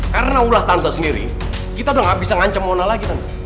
karena ulah tante sendiri kita udah gak bisa ngancam mona lagi tante